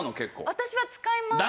私は使います。